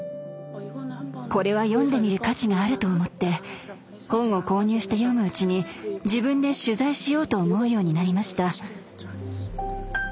これは読んでみる価値があると思って本を購入して読むうちに自分で取材しようと思うようになりました。